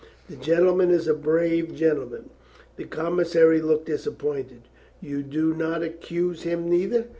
"The gentleman is a brave gen tleman." The commissary looked disappointed. "You do ^ot accuse him neither?"